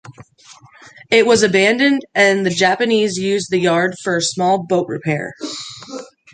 It was abandoned and the Japanese used the yard for small boat repair.